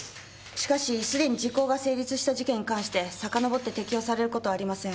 しかし既に時効が成立した事件に関してさかのぼって適用される事はありません。